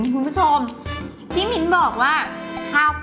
คุณผู้ชมที่มิ้นบอกว่า